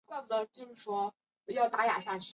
疣柄美喙藓为青藓科美喙藓属下的一个种。